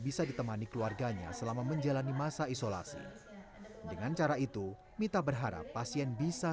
bisa ditemani keluarganya selama menjalani masa isolasi dengan cara itu mita berharap pasien bisa